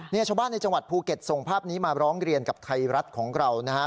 ชาวบ้านในจังหวัดภูเก็ตส่งภาพนี้มาร้องเรียนกับไทยรัฐของเรานะฮะ